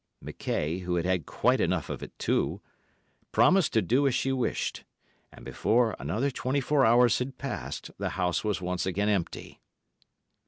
McKaye, who had had quite enough of it, too, promised to do as she wished, and before another twenty four hours had passed the house was once again empty.